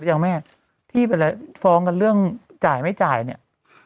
ยังไม่พองกันเรื่องจ่ายไม่จ่ายเนี่ย